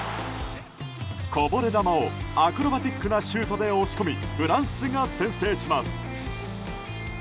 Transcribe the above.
こぼれ球をアクロバティックなシュートで押し込みフランスが先制します。